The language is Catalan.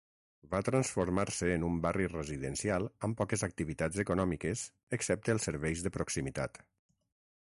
Va transformar-se en un barri residencial amb poques activitats econòmiques excepte els serveis de proximitat.